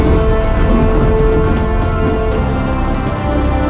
kami berdoa kepada tuhan untuk memperbaiki kebaikan kita di dunia ini